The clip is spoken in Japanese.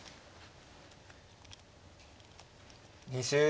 ２０秒。